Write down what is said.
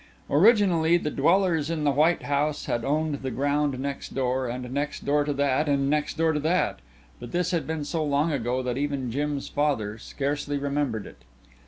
Originally the dwellers in the white house had owned the ground next door and next door to that and next door to that, but this had been so long ago that even Jim's father scarcely remembered it.